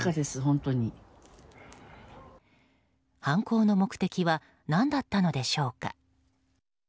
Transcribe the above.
犯行の目的は何だったのでしょうか。